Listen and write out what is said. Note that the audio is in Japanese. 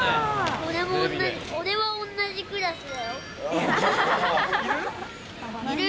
俺も同じ、俺は同じクラスだよ。